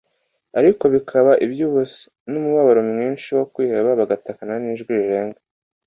ariko bikaba iby'ubusa. N'umubabaro mwinshi wo kwiheba bagataka n'ijwi rirenga